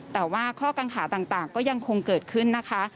แต่ว่าข้อกังขาต่างก็ยังคงเกิดขึ้นนะคะ